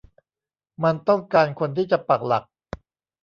มันต้องการคนที่จะปักหลัก